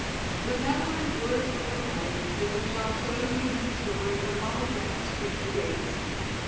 But Madeleine's words were prophetic, as we shall show you in the story of "Molly Brown's Junior Days."